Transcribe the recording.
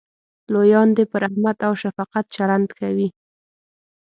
لویان دې په رحمت او شفقت چلند کوي.